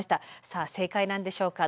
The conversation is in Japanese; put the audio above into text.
さあ正解なんでしょうか。